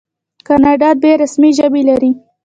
کاناډا دوه رسمي ژبې لري.